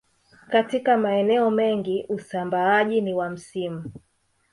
Katika maeneo mengi usambaaji ni wa msimu